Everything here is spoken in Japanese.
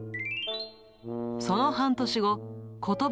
その半年後、ジジ。